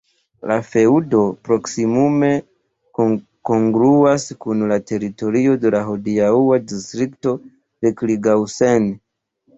La feŭdo proksimume kongruas kun la teritorio de la hodiaŭa distrikto Recklinghausen.